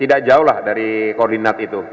tidak jauh lah dari koordinat itu